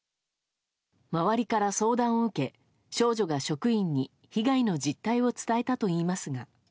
周りから相談を受け、少女が職員に被害の実態を伝えたといいますが。